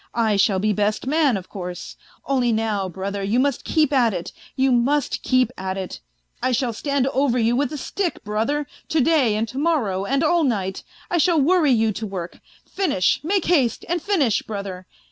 I shall be best man, of course, Only now, brother, you must keep at it, you must keep at it. I shall stand over you with a stick, brother, to day and to morrow and all night ; I shall worry you to work. Finish, make haste and finish, brother.